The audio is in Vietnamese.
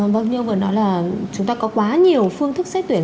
vâng nhưng vừa nói là chúng ta có quá nhiều phương thức xét tuyển